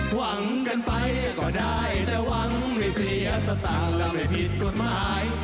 หวังกันไปก็ได้แต่หวังไม่เสียสตางค์และไม่ผิดกฎหมาย